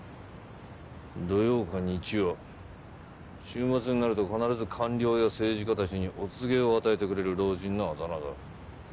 土曜か日曜週末になると必ず官僚や政治家たちにお告げを与えてくれる老人のあだ名だ。